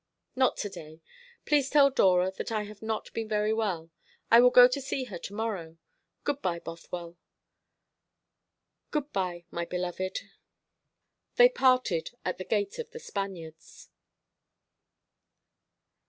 "Not to day. Please tell Dora that I have not been very well. I will go to see her to morrow. Good bye, Bothwell." "Good bye, my beloved." They parted at the gate of The Spaniards.